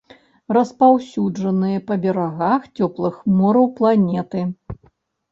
Распаўсюджаныя па берагах цёплых мораў планеты.